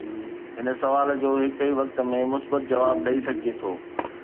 هن سوال جو هڪ ئي وقت ۾ مثبت جواب ڏئي سگهجي ٿو.